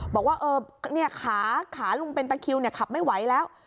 บอกว่าเอ่อเนี่ยขาหลวงเป็นปางคิวเนี่ยขับไม่ไหวแล้ว